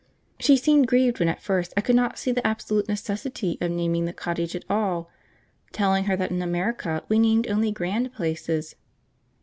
She seemed grieved when at first I could not see the absolute necessity of naming the cottage at all, telling her that in America we named only grand places.